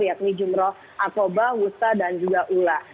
yakni jumroh akobah wusta dan juga ula